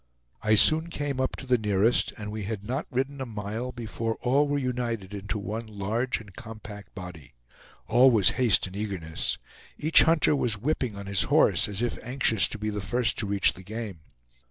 I soon came up to the nearest, and we had not ridden a mile before all were united into one large and compact body. All was haste and eagerness. Each hunter was whipping on his horse, as if anxious to be the first to reach the game.